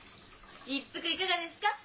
一服いかがですか？